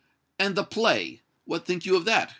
"And the play, what think you of that?"